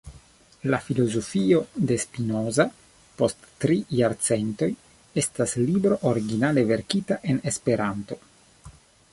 La Filozofio de Spinoza post Tri Jarcentoj estas libro originale verkita en Esperanto.